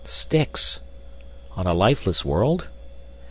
Sticks! On a lifeless world?